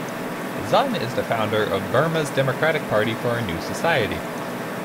Zun is the founder of Burma's Democratic Party for a New Society.